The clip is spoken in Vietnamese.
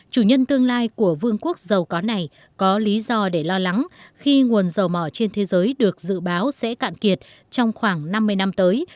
chủ nhân tương lai của vương quốc giàu có này có lý do để lo lắng khi nguồn dầu mỏ trên thế giới được dự báo sẽ cạn kiệt trong khoảng năm mươi năm tới